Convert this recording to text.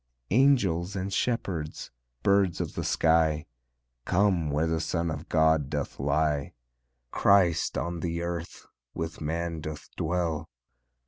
Angels and shepherds, birds of the sky, Come where the Son of God doth lie; Christ on the earth with man doth dwell.